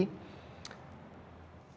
kita harus lebih banyak mencari